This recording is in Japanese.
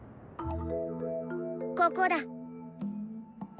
ここだ。